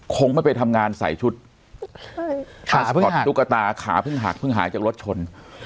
คงไม่ไปทำงานใส่ชุดพาสช็อตตุ๊กตาขาเพิ่งหักเพิ่งหายจากรถชน